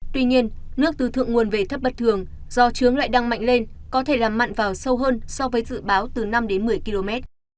tuy nhiên nước từ thượng nguồn về thấp bất thường do trướng lại đang mạnh lên có thể làm mặn vào sâu hơn so với dự báo từ năm đến một mươi km